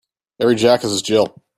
Every Jack has his Jill